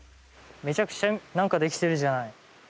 めちゃくちゃ何かできてるじゃない。